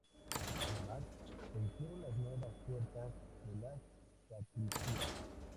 Además se hicieron las nuevas puertas de las sacristías.